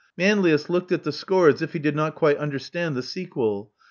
Manlius looked at the score as if he did not quite understand the sequel.